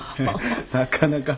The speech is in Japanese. なかなか。